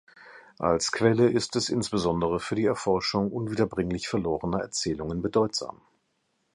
Als Quelle ist es insbesondere für die Erforschung unwiederbringlich verlorener Erzählungen bedeutsam.